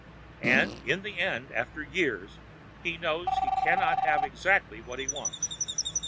And, in the end, after years, he knows he cannot have exactly what he wants.